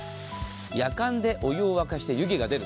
やかんでお湯を沸かして湯気が出る。